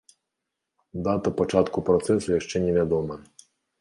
Дата пачатку працэсу яшчэ невядомая.